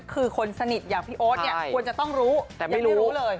คือคนสนิทอย่างพี่โอ๊ตเนี่ยควรจะต้องรู้แต่ไม่รู้เลย